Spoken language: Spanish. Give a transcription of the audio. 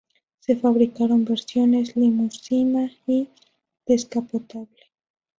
Se fabricaron versiones limusina y descapotable.